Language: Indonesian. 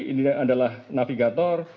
ini adalah navigator